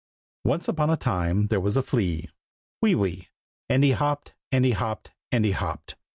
Once upon a time there was a flea. Wee wee. And he hopped, And he hopped, And he hopped.